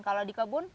kalau di kebun